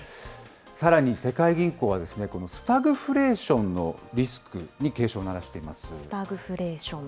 さらに世界銀行は、このスタグフレーションのリスクに警鐘を鳴らスタグフレーション。